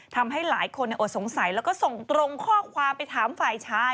ทำให้หลายคนอดสงสัยแล้วก็ส่งตรงข้อความไปถามฝ่ายชาย